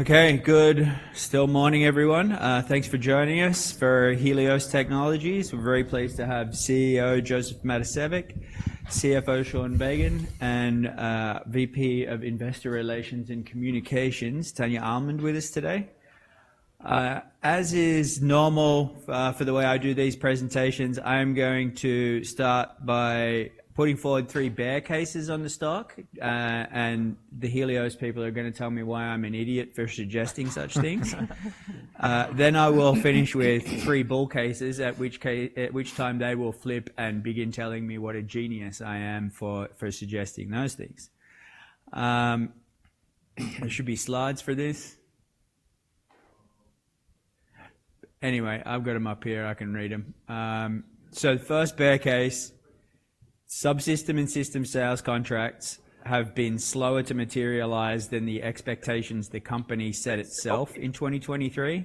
Okay, good. Good morning, everyone. Thanks for joining us for Helios Technologies. We're very pleased to have CEO Josef Matosevic, CFO Sean Bagan, and VP of Investor Relations and Communications Tania Almond with us today. As is normal for the way I do these presentations, I'm going to start by putting forward three bear cases on the stock. And the Helios people are gonna tell me why I'm an idiot for suggesting such things. Then I will finish with three bull cases, at which time they will flip and begin telling me what a genius I am for suggesting those things. There should be slides for this. Anyway, I've got them up here. I can read them. The first bear case, subsystem and system sales contracts have been slower to materialize than the expectations the company set itself in 2023.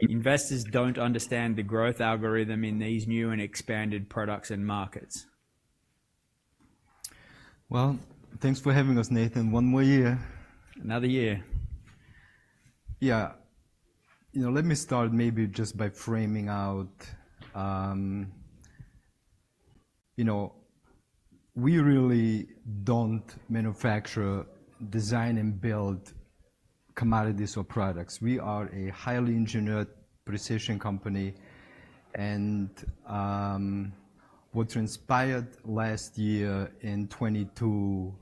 Investors don't understand the growth algorithm in these new and expanded products and markets. Well, thanks for having us, Nathan. One more year. Another year. Yeah. You know, let me start maybe just by framing out. You know, we really don't manufacture, design, and build commodities or products. We are a highly engineered precision company, and what transpired last year in 2022,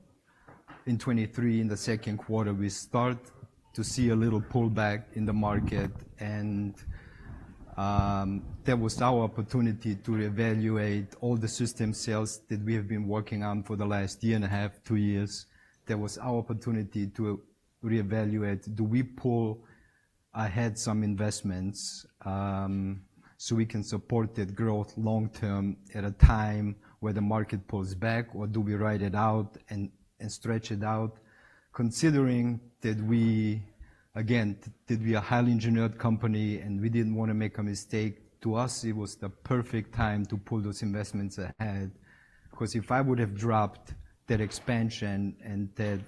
in 2023, in the second quarter, we start to see a little pullback in the market, and that was our opportunity to reevaluate all the system sales that we have been working on for the last year and a half, two years. That was our opportunity to reevaluate. Do we pull ahead some investments, so we can support that growth long term at a time where the market pulls back, or do we ride it out and stretch it out? Considering that we, again, that we're a highly engineered company, and we didn't wanna make a mistake, to us, it was the perfect time to pull those investments ahead. 'Cause if I would have dropped that expansion and that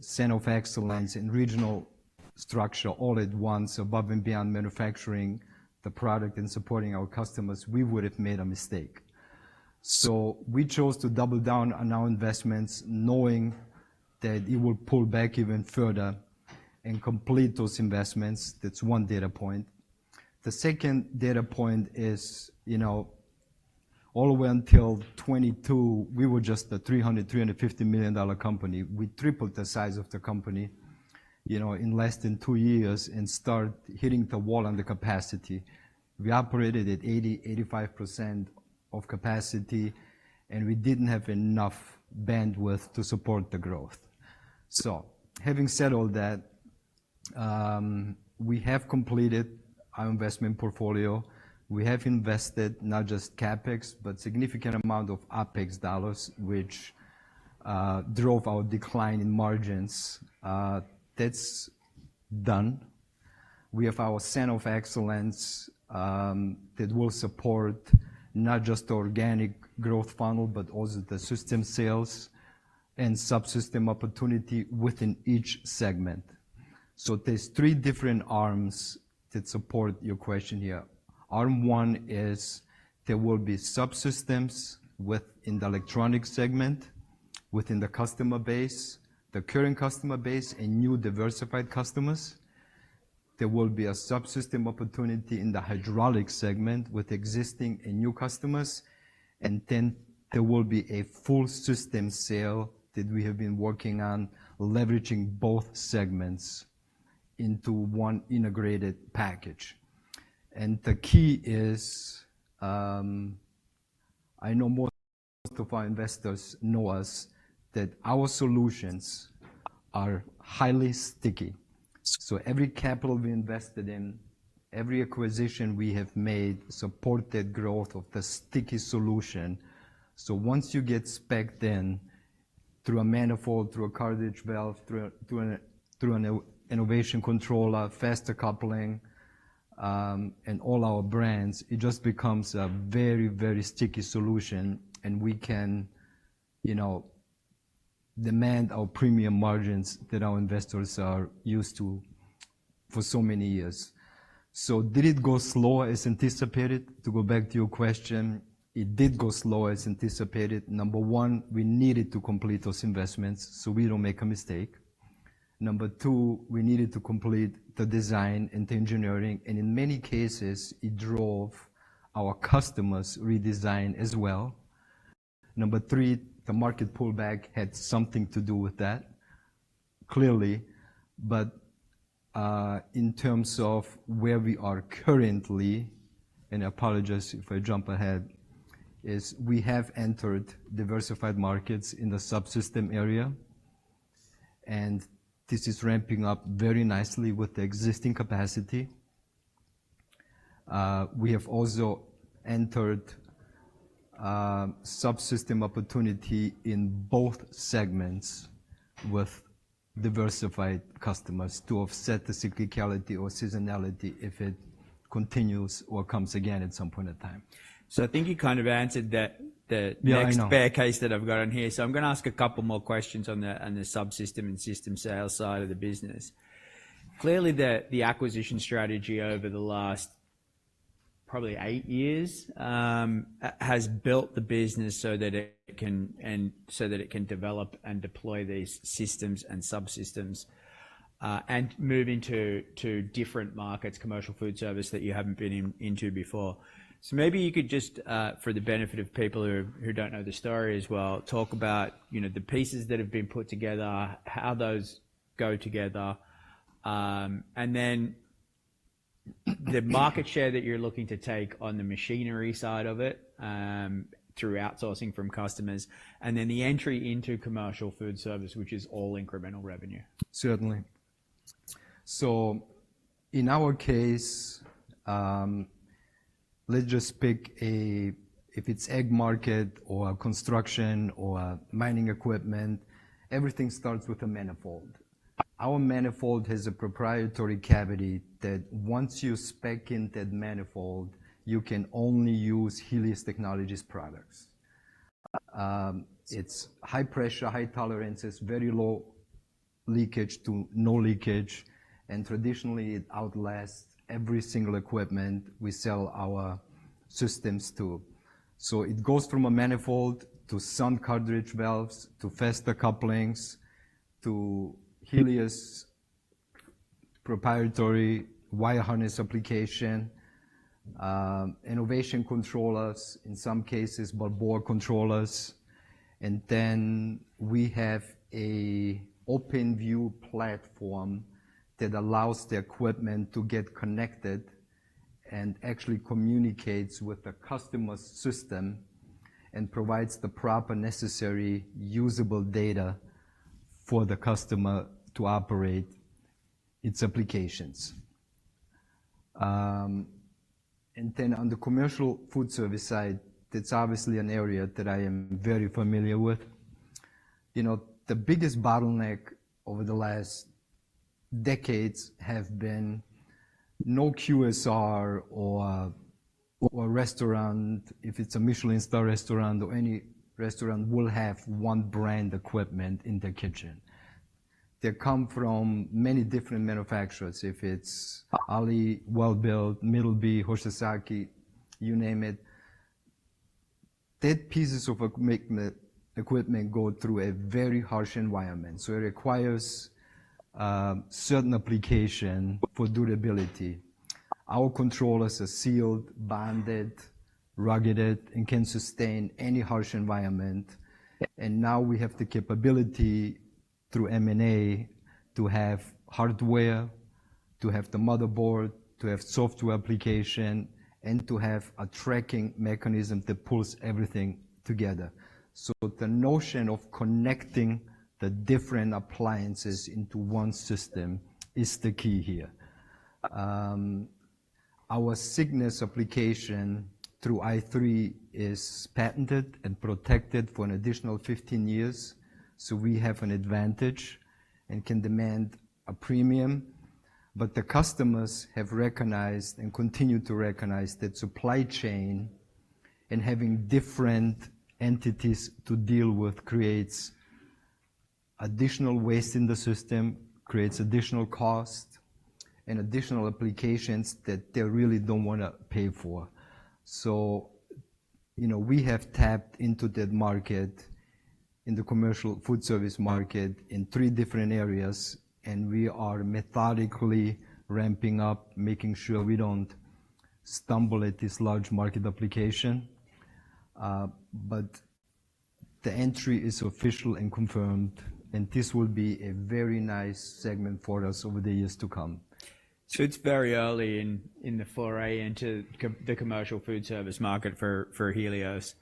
Center of Excellence and regional structure all at once, above and beyond manufacturing the product and supporting our customers, we would have made a mistake. So we chose to double down on our investments, knowing that it would pull back even further and complete those investments. That's one data point. The second data point is, you know, all the way until 2022, we were just a $300-$350 million company. We tripled the size of the company, you know, in less than two years and start hitting the wall on the capacity. We operated at 80%-85% of capacity, and we didn't have enough bandwidth to support the growth. So having said all that, we have completed our investment portfolio. We have invested not just CapEx, but significant amount of OpEx dollars, which drove our decline in margins. That's done. We have our Center of Excellence that will support not just the organic growth funnel, but also the system sales and subsystem opportunity within each segment. So there's three different arms that support your question here. Arm one is there will be subsystems within the electronic segment, within the customer base, the current customer base and new diversified customers. There will be a subsystem opportunity in the hydraulic segment with existing and new customers, and then there will be a full system sale that we have been working on, leveraging both segments into one integrated package. The key is, I know most of our investors know us, that our solutions are highly sticky. So every capital we invested in, every acquisition we have made, support that growth of the sticky solution. So once you get spec'd in through a manifold, through a cartridge valve, through an Enovation controller, Faster coupling, and all our brands, it just becomes a very, very sticky solution, and we can, you know, demand our premium margins that our investors are used to for so many years. So did it go slower as anticipated? To go back to your question, it did go slower as anticipated. Number one, we needed to complete those investments, so we don't make a mistake. Number two, we needed to complete the design and the engineering, and in many cases, it drove our customers' redesign as well. Number three, the market pullback had something to do with that, clearly. But, in terms of where we are currently, and I apologize if I jump ahead, is we have entered diversified markets in the subsystem area, and this is ramping up very nicely with the existing capacity. We have also entered subsystem opportunity in both segments with diversified customers to offset the cyclicality or seasonality if it continues or comes again at some point in time. I think you kind of answered that. Yeah, I know. Next bear case that I've got on here. So I'm gonna ask a couple more questions on the subsystem and system sales side of the business. Clearly, the acquisition strategy over the last probably eight years has built the business so that it can and so that it can develop and deploy these systems and subsystems and move into different markets, commercial food service, that you haven't been in before. So maybe you could just for the benefit of people who don't know the story as well, talk about, you know, the pieces that have been put together, how those go together. And then the market share that you're looking to take on the machinery side of it through outsourcing from customers, and then the entry into commercial food service, which is all incremental revenue. Certainly. So in our case, let's just pick a, if it's Ag market or construction or mining equipment, everything starts with a manifold. Our manifold has a proprietary cavity, that once you spec in that manifold, you can only use Helios Technologies products. It's high pressure, high tolerances, very low leakage to no leakage, and traditionally, it outlasts every single equipment we sell our systems to. So it goes from a manifold to some cartridge valves, to Faster couplings, to Helios proprietary wire harness application, Enovation controllers in some cases, but board controllers. And then we have an OpenView platform that allows the equipment to get connected and actually communicates with the customer's system and provides the proper, necessary, usable data for the customer to operate its applications. And then on the commercial food service side, that's obviously an area that I am very familiar with. You know, the biggest bottleneck over the last decades have been no QSR or, or restaurant, if it's a Michelin star restaurant or any restaurant, will have one brand equipment in the kitchen. They come from many different manufacturers. If it's Ali, Welbilt, Middleby, Hoshizaki, you name it. That pieces of equipment go through a very harsh environment, so it requires certain application for durability. Our controllers are sealed, bonded, rugged, and can sustain any harsh environment. And now we have the capability, through M&A, to have hardware, to have the motherboard, to have software application, and to have a tracking mechanism that pulls everything together. So the notion of connecting the different appliances into one system is the key here. Our Cygnus application through i3 is patented and protected for an additional 15 years, so we have an advantage and can demand a premium. But the customers have recognized and continue to recognize that supply chain and having different entities to deal with creates additional waste in the system, creates additional cost and additional applications that they really don't wanna pay for. So, you know, we have tapped into that market, in the commercial food service market, in three different areas, and we are methodically ramping up, making sure we don't stumble at this large market application. But the entry is official and confirmed, and this will be a very nice segment for us over the years to come. So it's very early in the foray into the commercial food service market for Helios.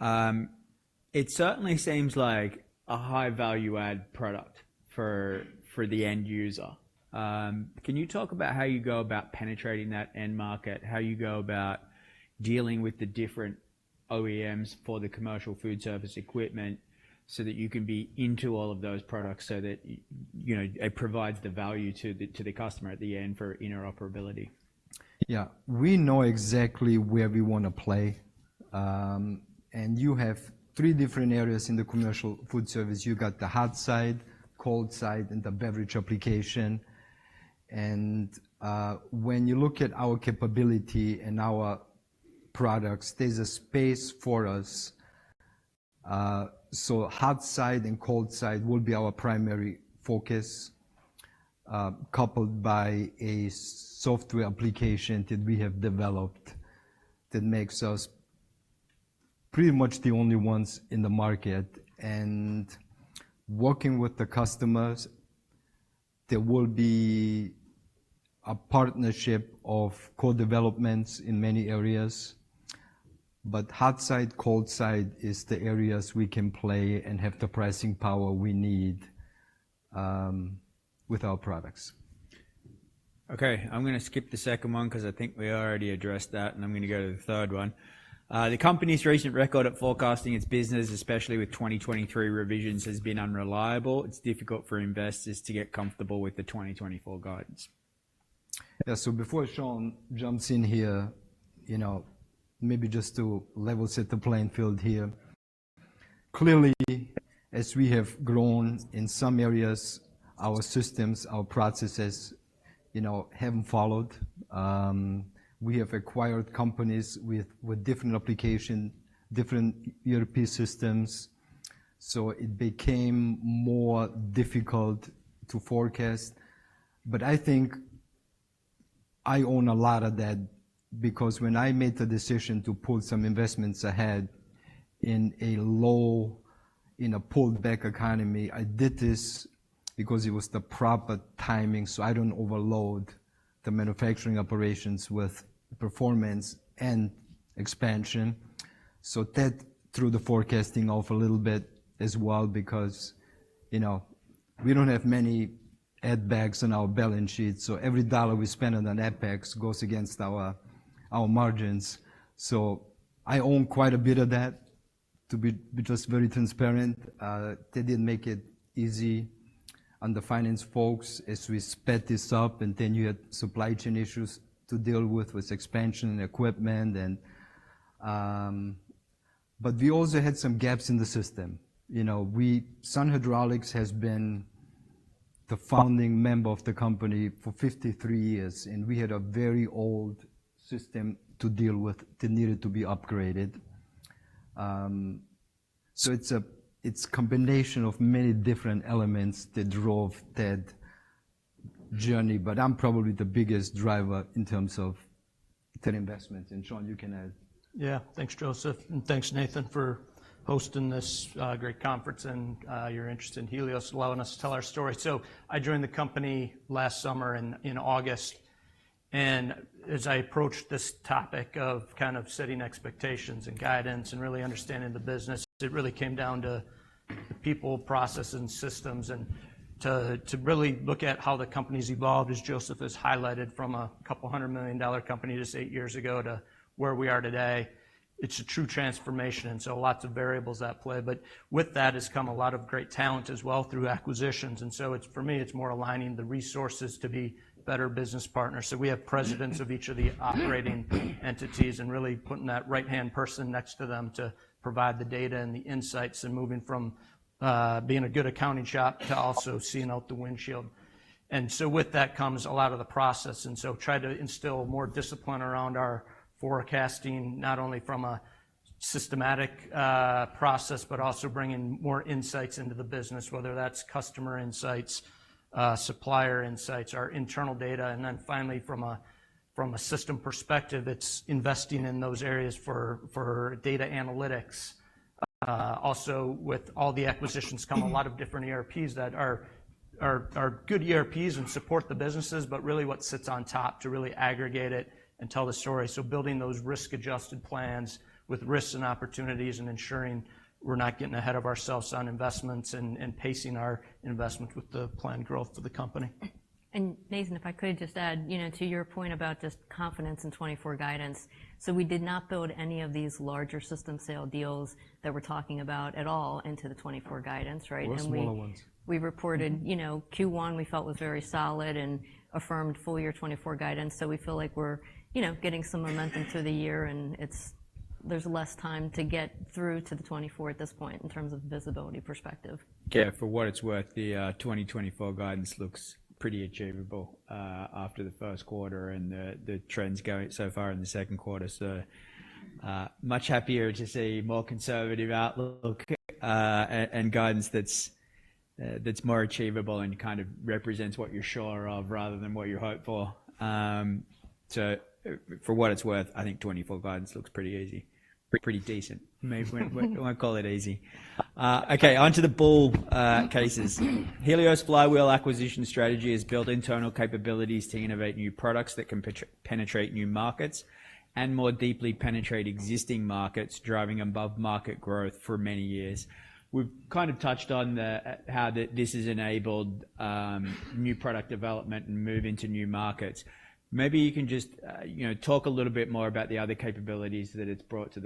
It certainly seems like a high value-add product for the end user. Can you talk about how you go about penetrating that end market, how you go about dealing with the different OEMs for the commercial food service equipment, so that you can be into all of those products, so that you know, it provides the value to the customer at the end for interoperability? Yeah. We know exactly where we wanna play. And you have three different areas in the commercial food service. You got the hot side, cold side, and the beverage application. And when you look at our capability and our products, there's a space for us. So hot side and cold side will be our primary focus, coupled by a software application that we have developed that makes us pretty much the only ones in the market. And working with the customers, there will be a partnership of co-developments in many areas, but hot side, cold side is the areas we can play and have the pricing power we need, with our products. Okay, I'm gonna skip the second one 'cause I think we already addressed that, and I'm gonna go to the third one. The company's recent record at forecasting its business, especially with 2023 revisions, has been unreliable. It's difficult for investors to get comfortable with the 2024 guidance. Yeah, so before Sean jumps in here, you know, maybe just to level set the playing field here. Clearly, as we have grown in some areas, our systems, our processes, you know, haven't followed. We have acquired companies with different application, different European systems, so it became more difficult to forecast. But I think I own a lot of that, because when I made the decision to pull some investments ahead in a low, pulled back economy, I did this because it was the proper timing, so I don't overload the manufacturing operations with performance and expansion. So that threw the forecasting off a little bit as well, because, you know, we don't have many add-backs on our balance sheet, so every dollar we spend on an add-backs goes against our margins. So I own quite a bit of that, to be, be just very transparent. That didn't make it easy on the finance folks as we sped this up, and then you had supply chain issues to deal with, with expansion and equipment and, but we also had some gaps in the system. You know, we, Sun Hydraulics has been the founding member of the company for 53 years, and we had a very old system to deal with that needed to be upgraded. So it's a, it's combination of many different elements that drove that journey, but I'm probably the biggest driver in terms of that investment. And, Sean, you can add. Yeah. Thanks, Josef, and thanks, Nathan, for hosting this great conference and your interest in Helios, allowing us to tell our story. So I joined the company last summer in August, and as I approached this topic of kind of setting expectations and guidance and really understanding the business, it really came down to the people, process, and systems, and to really look at how the company's evolved, as Josef has highlighted, from a $200 million company just 8 years ago to where we are today. It's a true transformation, and so lots of variables at play. But with that has come a lot of great talent as well through acquisitions, and so it's, for me, it's more aligning the resources to be better business partners. So we have presidents of each of the operating entities and really putting that right-hand person next to them to provide the data and the insights, and moving from being a good accounting shop to also seeing out the windshield. And so with that comes a lot of the process, and so try to instill more discipline around our forecasting, not only from a systematic process, but also bringing more insights into the business, whether that's customer insights, supplier insights, our internal data. And then finally, from a system perspective, it's investing in those areas for data analytics. Also, with all the acquisitions come a lot of different ERPs that are good ERPs and support the businesses, but really what sits on top to really aggregate it and tell the story. So building those risk-adjusted plans with risks and opportunities and ensuring we're not getting ahead of ourselves on investments and pacing our investments with the planned growth of the company. Nathan, if I could just add, you know, to your point about just confidence in 2024 guidance. We did not build any of these larger system sale deals that we're talking about at all into the 2024 guidance, right? The smaller ones. We reported, you know, Q1, we felt was very solid and affirmed full year 2024 guidance. We feel like we're, you know, getting some momentum through the year, and there's less time to get through to the 2024 at this point in terms of visibility perspective. Yeah. For what it's worth, the 2024 guidance looks pretty achievable after the first quarter and the trends going so far in the second quarter. So, much happier to see more conservative outlook and guidance that's more achievable and kind of represents what you're sure of rather than what you hope for. So for what it's worth, I think 2024 guidance looks pretty easy. Pretty decent. Maybe we won't call it easy. Okay, onto the bull cases. Helios Flywheel acquisition strategy has built internal capabilities to innovate new products that can penetrate new markets and more deeply penetrate existing markets, driving above market growth for many years. We've kind of touched on how this has enabled new product development and move into new markets. Maybe you can just, you know, talk a little bit more about the other capabilities that it's brought to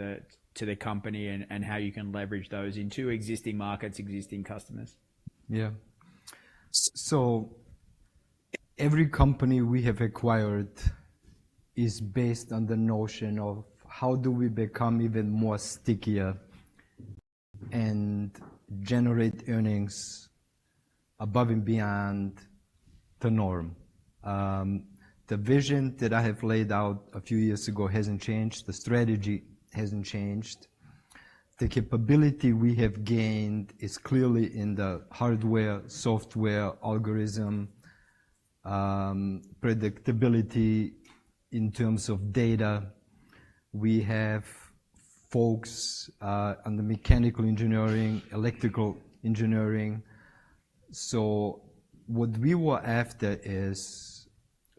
the company and how you can leverage those into existing markets, existing customers. Yeah. So every company we have acquired is based on the notion of how do we become even more stickier and generate earnings above and beyond the norm? The vision that I have laid out a few years ago hasn't changed. The strategy hasn't changed. The capability we have gained is clearly in the hardware, software, algorithm, predictability in terms of data. We have folks on the mechanical engineering, electrical engineering. So what we were after is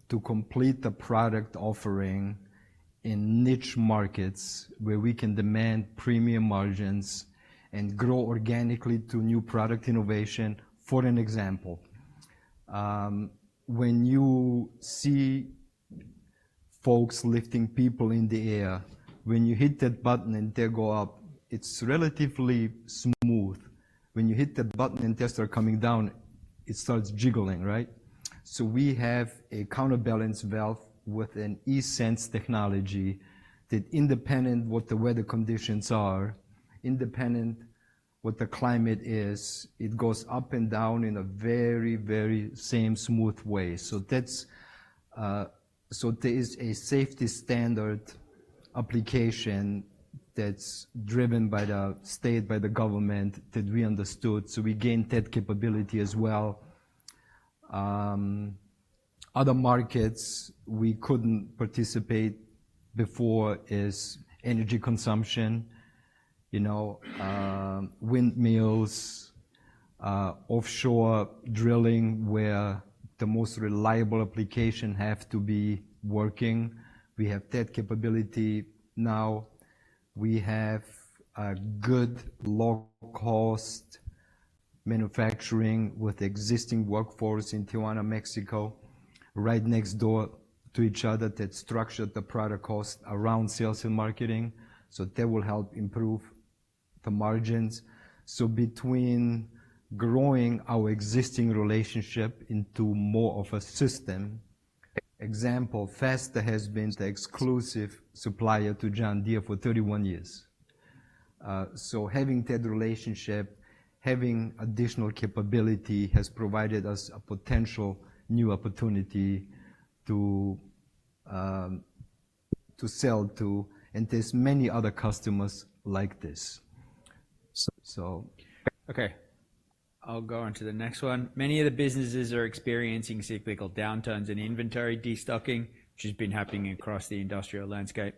to complete the product offering in niche markets where we can demand premium margins and grow organically to new product innovation. For an example, when you see folks lifting people in the air, when you hit that button and they go up, it's relatively smooth. When you hit the button and masts are coming down, it starts jiggling, right? We have a counterbalance valve with an eSense technology, that independent what the weather conditions are, independent what the climate is, it goes up and down in a very, very same smooth way. So that's, so there is a safety standard application that's driven by the state, by the government, that we understood, so we gained that capability as well. Other markets we couldn't participate before is energy consumption, you know, windmills, offshore drilling, where the most reliable application have to be working. We have that capability now. We have a good low cost manufacturing with existing workforce in Tijuana, Mexico, right next door to each other, that structured the product cost around sales and marketing, so that will help improve the margins. So between growing our existing relationship into more of a system, example, Faster has been the exclusive supplier to John Deere for 31 years. So having that relationship, having additional capability, has provided us a potential new opportunity to, to sell to, and there's many other customers like this. So. Okay, I'll go on to the next one. Many of the businesses are experiencing cyclical downturns and inventory destocking, which has been happening across the industrial landscape.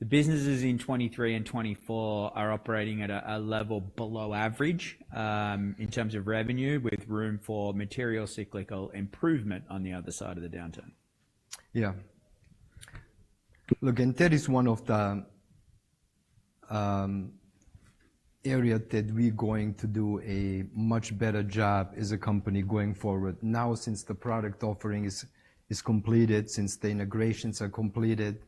The businesses in 2023 and 2024 are operating at a level below average, in terms of revenue, with room for material cyclical improvement on the other side of the downturn. Yeah. Look, and that is one of the area that we're going to do a much better job as a company going forward. Now, since the product offering is, is completed, since the integrations are completed,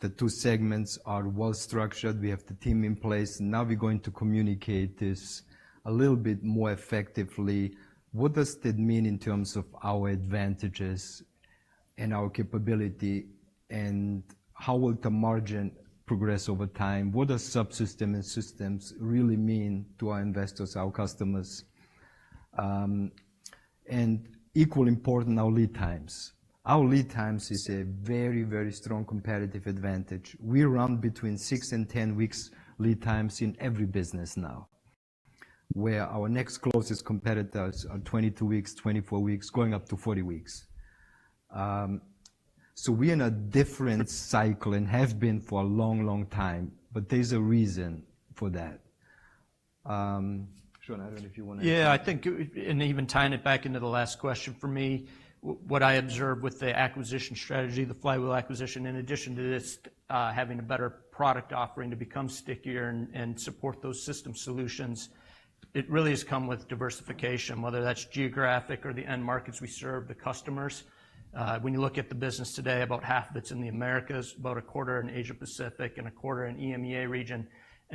the two segments are well structured. We have the team in place, and now we're going to communicate this a little bit more effectively. What does that mean in terms of our advantages and our capability, and how will the margin progress over time? What does subsystem and systems really mean to our investors, our customers? And equally important, our lead times. Our lead times is a very, very strong competitive advantage. We run between 6 and 10 weeks lead times in every business now, where our next closest competitors are 22 weeks, 24 weeks, going up to 40 weeks. So, we're in a different cycle and have been for a long, long time, but there's a reason for that. Sean, I don't know if you wanna- Yeah, I think, and even tying it back into the last question for me, what I observed with the acquisition strategy, the Flywheel acquisition, in addition to this, having a better product offering to become stickier and support those system solutions, it really has come with diversification, whether that's geographic or the end markets we serve, the customers. When you look at the business today, about half of it's in the Americas, about a quarter in Asia Pacific and a quarter in EMEA region.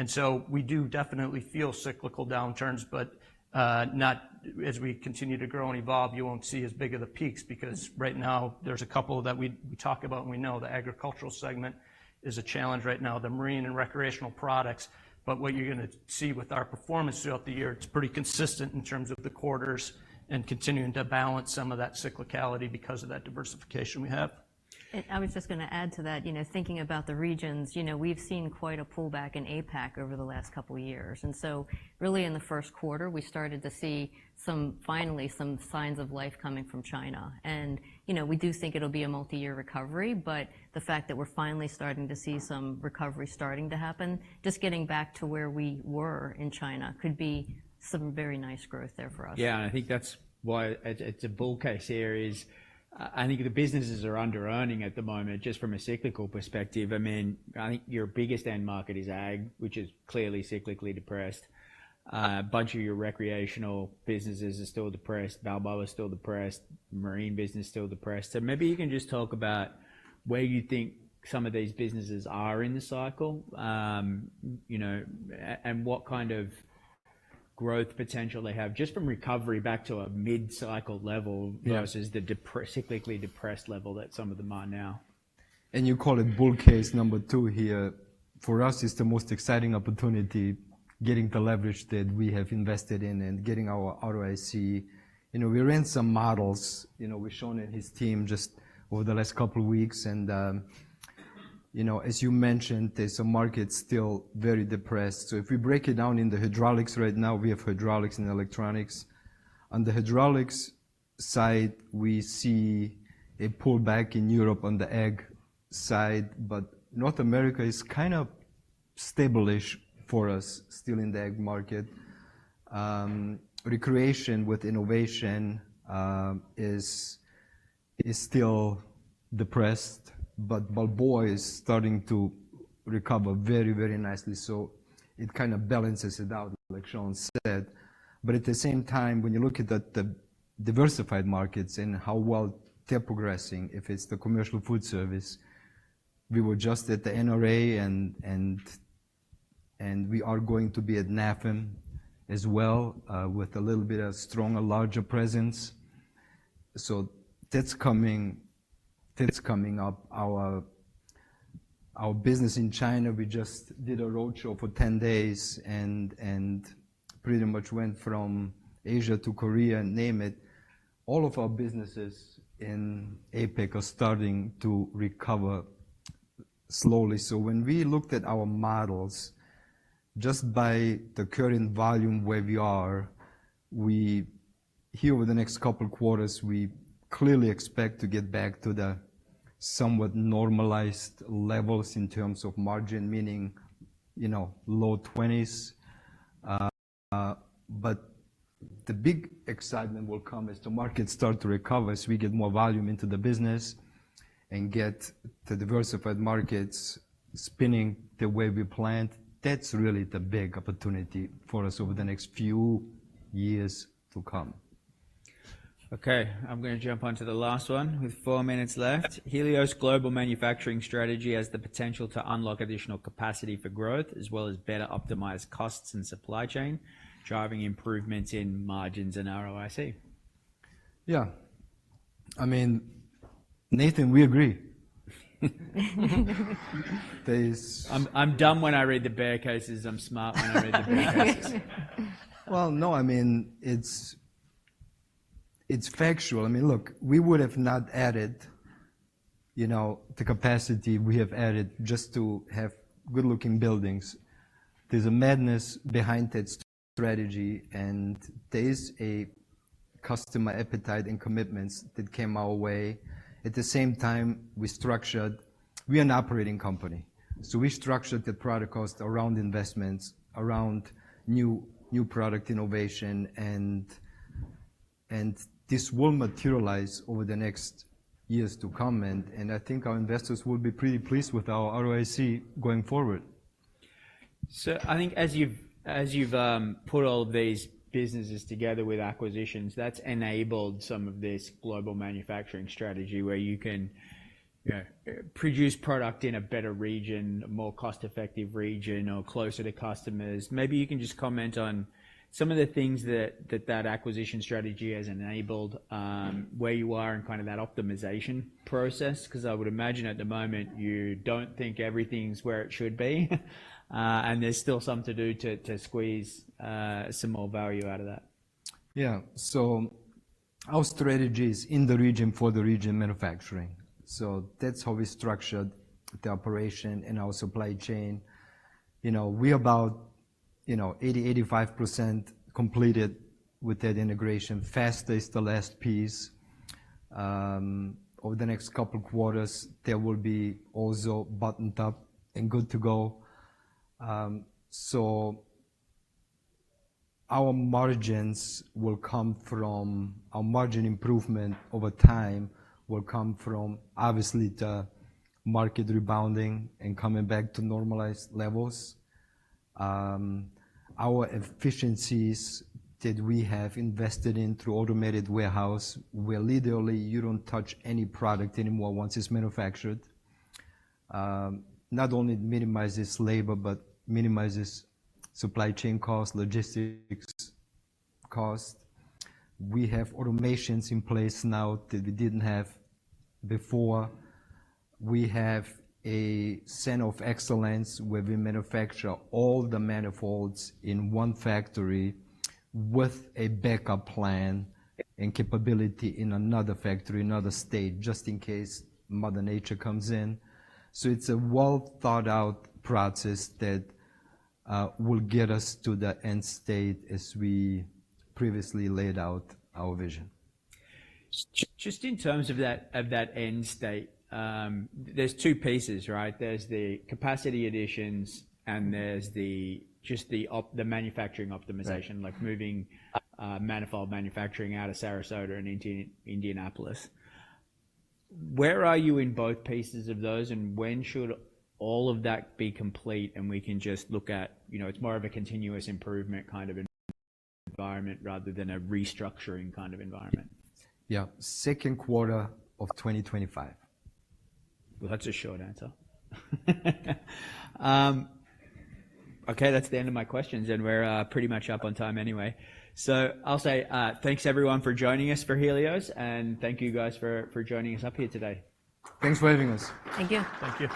So we do definitely feel cyclical downturns, but not as we continue to grow and evolve, you won't see as big of the peaks, because right now there's a couple that we talk about and we know. The agricultural segment is a challenge right now, the marine and recreational products. What you're gonna see with our performance throughout the year, it's pretty consistent in terms of the quarters and continuing to balance some of that cyclicality because of that diversification we have. I was just gonna add to that, you know, thinking about the regions, you know, we've seen quite a pullback in APAC over the last couple of years, and so really in the first quarter, we started to see some, finally, some signs of life coming from China. You know, we do think it'll be a multi-year recovery, but the fact that we're finally starting to see some recovery starting to happen, just getting back to where we were in China, could be some very nice growth there for us. Yeah, and I think that's why it's a bull case here is, I think the businesses are underearning at the moment, just from a cyclical perspective. I mean, I think your biggest end market is Ag, which is clearly cyclically depressed. A bunch of your recreational businesses are still depressed. Balboa is still depressed, marine business still depressed. So maybe you can just talk about where you think some of these businesses are in the cycle, you know, and what kind of growth potential they have, just from recovery back to a mid-cycle level versus the cyclically depressed level that some of them are now. You call it bull case number two here. For us, it's the most exciting opportunity, getting the leverage that we have invested in and getting our ROIC. You know, we ran some models, you know, with Sean and his team, just over the last couple of weeks and, you know, as you mentioned, there's some markets still very depressed. So if we break it down in the hydraulics, right now, we have hydraulics and electronics. On the hydraulics side, we see a pullback in Europe on the Ag side, but North America is kind of stable-ish for us, still in the Ag market. Recreation with Enovation is still depressed, but Balboa is starting to recover very, very nicely, so it kind of balances it out, like Sean said. But at the same time, when you look at the diversified markets and how well they're progressing, if it's the commercial food service, we were just at the NRA and we are going to be at NAFEM as well, with a little bit of stronger, larger presence. So that's coming, that's coming up. Our business in China, we just did a roadshow for 10 days and pretty much went from Asia to Korea, name it. All of our businesses in APAC are starting to recover slowly. So when we looked at our models, just by the current volume where we are, we here over the next couple quarters, we clearly expect to get back to the somewhat normalized levels in terms of margin, meaning, you know, low twenties. But the big excitement will come as the markets start to recover, as we get more volume into the business and get the diversified markets spinning the way we planned. That's really the big opportunity for us over the next few years to come. Okay, I'm gonna jump onto the last one. With four minutes left: "Helios' global manufacturing strategy has the potential to unlock additional capacity for growth, as well as better optimize costs and supply chain, driving improvements in margins and ROIC. Yeah. I mean, Nathan, we agree. There's- I'm dumb when I read the bear cases. I'm smart when I read the bear cases. Well, no, I mean, it's factual. I mean, look, we would have not added, you know, the capacity we have added just to have good-looking buildings. There's a madness behind that strategy, and there's a customer appetite and commitments that came our way. At the same time, we are an operating company, so we structured the product cost around investments, around new product innovation, and this will materialize over the next years to come, and I think our investors will be pretty pleased with our ROIC going forward. So I think as you've put all these businesses together with acquisitions, that's enabled some of this global manufacturing strategy, where you can, you know, produce product in a better region, a more cost-effective region or closer to customers. Maybe you can just comment on some of the things that acquisition strategy has enabled, where you are in kind of that optimization process, 'cause I would imagine at the moment, you don't think everything's where it should be, and there's still some to do to squeeze some more value out of that. Yeah. So our strategy is in the region for the region manufacturing. So that's how we structured the operation and our supply chain. You know, we're about, you know, 80%-85% completed with that integration. Faster is the last piece. Over the next couple quarters, that will be also buttoned up and good to go. So our margins will come from... Our margin improvement over time will come from, obviously, the market rebounding and coming back to normalized levels. Our efficiencies that we have invested in through automated warehouse, where literally you don't touch any product anymore once it's manufactured, not only it minimizes labor, but minimizes supply chain costs, logistics costs. We have automations in place now that we didn't have before. We have a Center of Excellence where we manufacture all the manifolds in one factory with a backup plan and capability in another factory, another state, just in case Mother Nature comes in. It's a well-thought-out process that will get us to the end state as we previously laid out our vision. Just in terms of that, of that end state, there's two pieces, right? There's the capacity additions, and there's the, just the manufacturing optimization like moving manifold manufacturing out of Sarasota and into Indianapolis. Where are you in both pieces of those, and when should all of that be complete, and we can just look at, you know, it's more of a continuous improvement kind of environment rather than a restructuring kind of environment? Yeah. Second quarter of 2025. Well, that's a short answer. Okay, that's the end of my questions, and we're pretty much up on time anyway. So I'll say, thanks everyone for joining us for Helios, and thank you guys for joining us up here today. Thanks for having us. Thank you. Thank you.